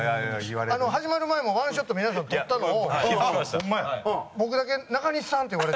始まる前も１ショット皆さん撮ったのを僕だけ「中西さん」って呼ばれてたんです。